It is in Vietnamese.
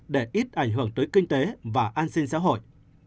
để ít ảnh hưởng tới kinh tế và an sinh xã hội